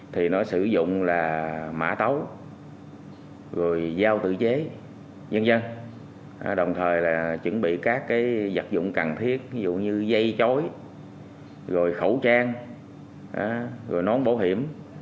thì nó sử dụng là mã tấu rồi dao tự chế nhân dân đồng thời là chuẩn bị các cái vật dụng cần thiết ví dụ như dây chối rồi khẩu trang rồi nón bảo hiểm